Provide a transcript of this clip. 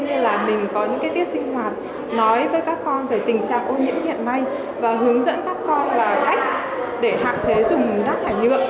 ví dụ như là mình có những tiết sinh hoạt nói với các con về tình trạng ô nhiễm hiện nay và hướng dẫn các con và khách để hạn chế dùng rác hải nhựa